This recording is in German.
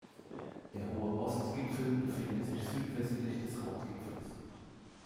Der hohe Ostgipfel befindet sich südwestlich des Hauptgipfels.